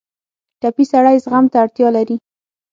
ټپي سړی زغم ته اړتیا لري.